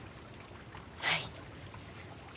はい。